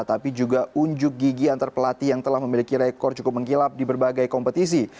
tapi juga unjuk gigi antar pelatih yang telah memiliki rekor cukup menggilap di berbagai kompetisi